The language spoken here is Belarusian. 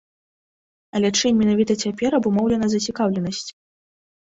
Але чым менавіта цяпер абумоўлена зацікаўленасць?